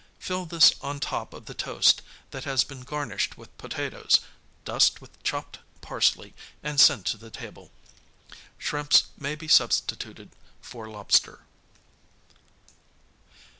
Fill this on top of the toast that has been garnished with potatoes, dust with chopped parsley and send to the table. Shrimps may be substituted for lobster.